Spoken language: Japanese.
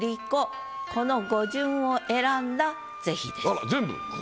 あらっ全部。